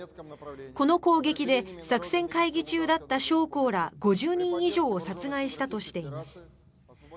この攻撃で作戦会議中だった将校ら５０人以上を殺害したとしています。